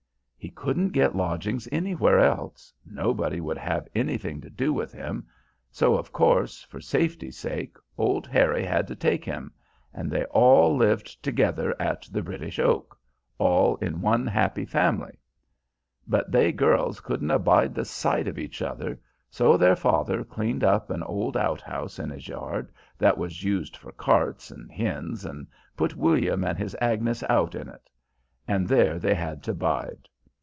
He couldn't get lodgings anywhere else, nobody would have anything to do with him, so of course, for safety's sake, old Harry had to take him, and there they all lived together at The British Oak all in one happy family. But they girls couldn't bide the sight of each other, so their father cleaned up an old outhouse in his yard that was used for carts and hens and put William and his Agnes out in it. And there they had to bide.